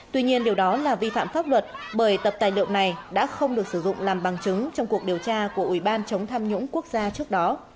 tuy nhiên điều đó là vi phạm pháp luật bởi tập tài liệu này đã không được sử dụng làm bằng chứng trong cuộc điều tra của ủy ban chống tham nhũng quốc gia trước đó